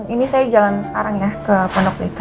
ini saya jalan sekarang ya ke pondok blitar